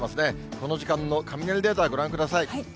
この時間の雷レーダー、ご覧ください。